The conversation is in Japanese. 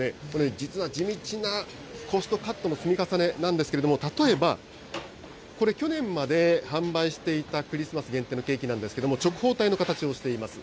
実は地道なコストカットの積み重ねなんですけれども、例えば、これ、去年まで販売していたクリスマス限定のケーキなんですけれども、直方体の形をしています。